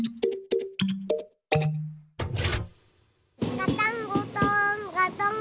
ガタンゴトンガタンゴトン。